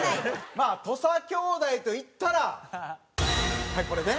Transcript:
まあ土佐兄弟といったらはいこれね。